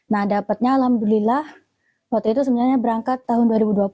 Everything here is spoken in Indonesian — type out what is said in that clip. nah dapatnya alhamdulillah waktu itu sebenarnya berangkat tahun dua ribu dua puluh